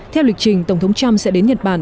theo lịch trình tổng thống trump sẽ đến nhật bản